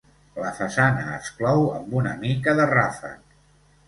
La façana es clou amb una mica de ràfec.